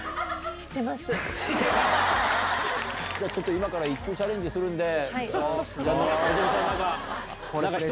今から一球チャレンジするんで。